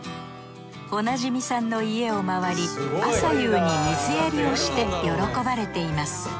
お馴染みさんの家を周り朝夕に水やりをして喜ばれています。